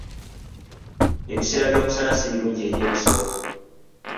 Ebiseera by'omusana si birungi eri ebisolo.